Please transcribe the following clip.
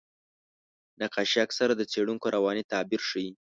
نقاشي اکثره د څېړونکو رواني تعبیر ښيي.